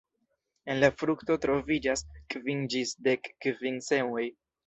En la frukto troviĝas kvin ĝis dek kvin semoj.